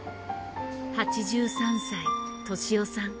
８３歳敏雄さん